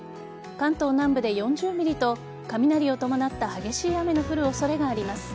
関東南部で４０ｍｍと雷を伴った激しい雨の降る恐れがあります。